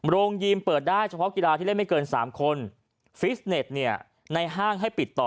โรงยีมเปิดได้เฉพาะกีฬาที่เล่นไม่เกิน๓คนฟิสเน็ตเนี่ยในห้างให้ปิดต่อ